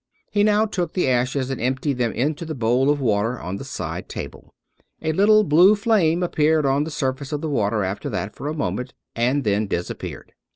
He now took the ashes and emptied them into the bowl of water on the side table. A little blue flame appeared on the surface of the water after that for a moment, and then disappeared.